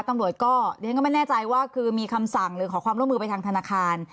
ตำรวจก็ดิฉันก็ไม่แน่ใจว่าคือมีคำสั่งหรือขอความร่วมมือไปทางธนาคาร